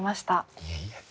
いえいえ。